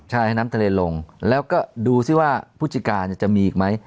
ใช่ให้น้ำทะเลลงแล้วก็ดูซิว่าผู้จัดการจะมีอีกไหม